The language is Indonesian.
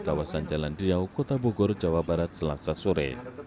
kawasan jalan riau kota bogor jawa barat selasa sore